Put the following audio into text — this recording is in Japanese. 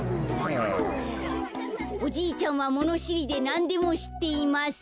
「おじいちゃんはものしりでなんでもしっています」。